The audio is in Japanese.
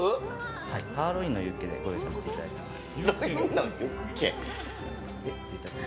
サーロインのユッケでご用意させていただいております。